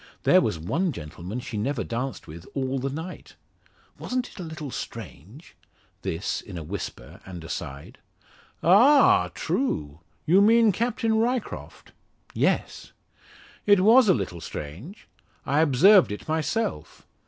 "There was one gentleman she never danced with all the night. Wasn't it a little strange?" This in a whisper and aside. "Ah! true. You mean Captain Ryecroft?" "Yes." "It was a little strange. I observed it myself.